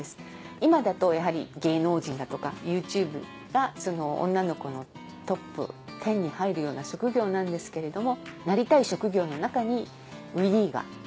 今だとやはり芸能人だとかＹｏｕＴｕｂｅが女の子のトップ１０に入るような職業なんですけれども。